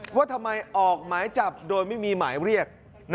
ว่าทำไมออกหมายจับโดยไม่มีหมายเรียก